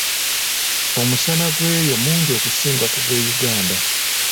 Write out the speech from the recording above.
Omusana gw’eyo mungi okusinga ku gw’e Uganda.